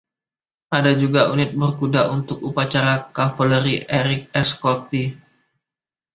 Ada juga unit berkuda untuk upacara: Cavalerie Ere-Escorte.